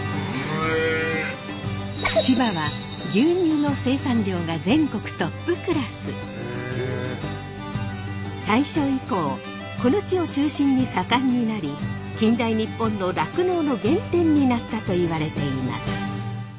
千葉は大正以降この地を中心に盛んになり近代日本の酪農の原点になったといわれています。